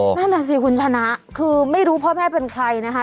นั่นน่ะสิคุณชนะคือไม่รู้พ่อแม่เป็นใครนะคะ